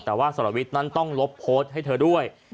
แต่ว่าสรวิทย์นั้นต้องลบโพสต์ให้เธอด้วย